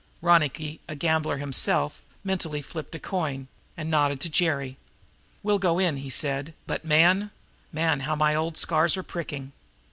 Ronicky, a gambler himself, mentally flipped a coin and nodded to Jerry. "We'll go in," he said, "but man, man, how my old scars are pricking!"